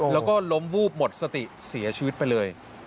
แล้วก็ล้มวูบหมดสติเสียชีวิตไปเลย